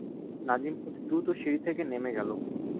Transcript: নাজিম অতি দ্রুত সিঁড়ি থেকে নেমে গেল।